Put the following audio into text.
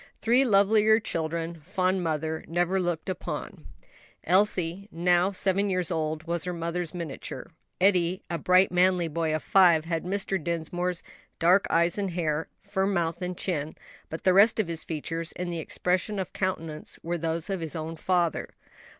Three lovelier children fond mother never looked upon. Elsie, now seven years old, was her mother's miniature. Eddie, a bright manly boy of five, had Mr. Dinsmore's dark eyes and hair, firm mouth and chin; but the rest of his features, and the expression of countenance, were those of his own father.